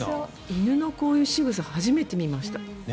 犬のこういうしぐさ初めて見ました。